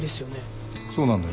そうなんだよ。